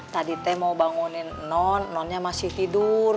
tadi teh mau bangunin nonnya masih tidur